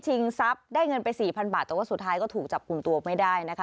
ทรัพย์ได้เงินไปสี่พันบาทแต่ว่าสุดท้ายก็ถูกจับกลุ่มตัวไม่ได้นะคะ